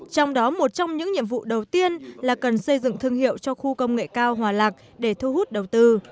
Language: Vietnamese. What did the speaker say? trong đó một trong những nhiệm vụ đầu tiên là cần xây dựng thương hiệu cho khu công nghệ cao hòa lạc để thu hút đầu tư